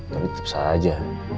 tapi tetap saja